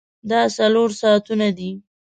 دا څلور ساعتونه دي.